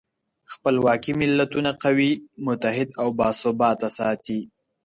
خپلواکي ملتونه قوي، متحد او باثباته ساتي.